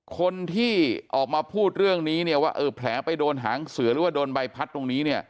คนที่ออกมาพูดเรื่องนี้เนี่ยว่าเออแผลไปโดนหางเสือหรือว่าโดนใบพัดตรงนี้เนี่ย